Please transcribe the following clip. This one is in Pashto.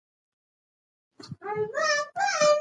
پېیر کوري د لابراتوار په وسایلو تمرکز وکړ.